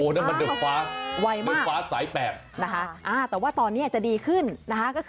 โอ้โฮนั่นมันดึกฟ้าดึกฟ้าสายแปบนะคะแต่ว่าตอนนี้จะดีขึ้นนะคะ